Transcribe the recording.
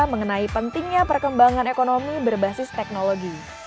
mengenai pentingnya perkembangan ekonomi berbasis teknologi